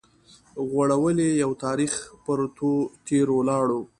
غوړولي يو تاريخ پر تېرو لارو